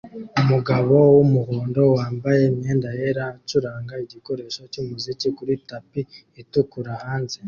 Umugabo wumuhondo wambaye imyenda yera acuranga igikoresho cyumuziki kuri tapi itukura hanze